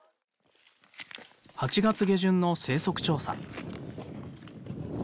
８月下旬の生息調査。